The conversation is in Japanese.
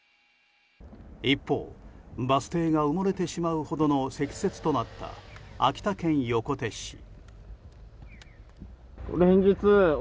一方、バス停が埋もれてしまうほどの積雪となった秋田県横手市。